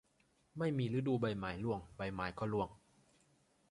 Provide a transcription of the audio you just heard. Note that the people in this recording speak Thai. ไม่มีฤดูใบไม้ร่วง ใบไม้ก็ร่วง